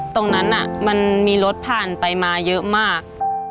ตรงนั้นมันมีรถผ่านไปมาเยอะมาก